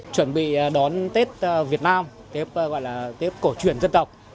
chuẩn bị đón tết việt nam tết gọi là tết cổ truyền dân tộc